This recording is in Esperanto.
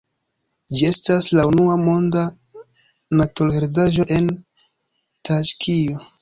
Ĝi estas la unua Monda Naturheredaĵo en Taĝikio.